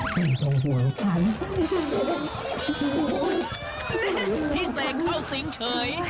พี่เสกเข้าสิงเฉย